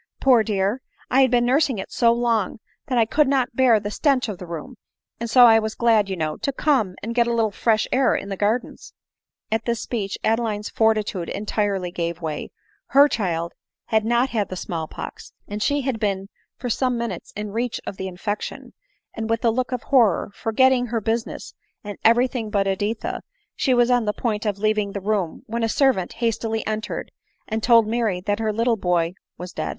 Poor dear! I had been nursing it so long that I could not bear the stench of the room, and so I was glad, you know, to come and get a little fresh air in the gardens." At this speech Adeline's fortitude entirely gave way. Her child had not had the small pox, and she had been for some minutes in reach of the infection ; and with a look of horror, forgetting her business, and every thing but Editha, she was on the point of leaving the room, when a servant hastily entered, and told Mary that her litde boy was dead.